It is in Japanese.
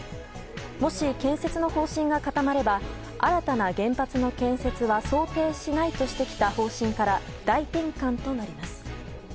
もし建設の方針が固まれば新たな原発の建設は想定しないとしてきた方針から大転換となります。